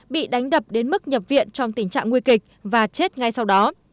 bị đánh đập đến mức nhập viện trong tình trạng nguy kịch và chết ngay sau đó